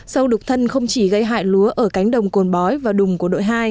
sâu đục thân không chỉ gây hại lúa ở cánh đồng cồn bói và đùng của đội hai